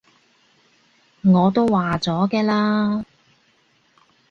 我都話咗嘅啦